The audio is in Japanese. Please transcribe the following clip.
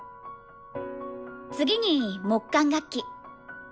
次に木管楽器。